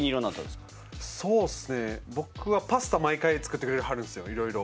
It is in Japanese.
僕はパスタ毎回、作ってくれはるんですよ、いろいろ。